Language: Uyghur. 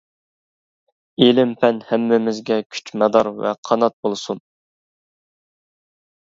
ئىلىم-پەن ھەممىمىزگە كۈچ-مادار ۋە قانات بولسۇن!